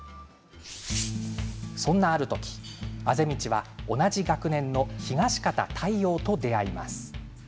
そんなある時、畦道は同じ学年の東片太陽と出会います。